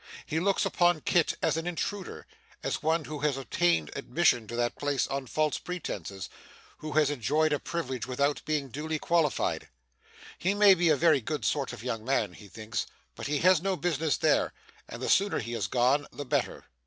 He looks upon Kit as an intruder, as one who has obtained admission to that place on false pretences, who has enjoyed a privilege without being duly qualified. He may be a very good sort of young man, he thinks, but he has no business there, and the sooner he is gone, the better.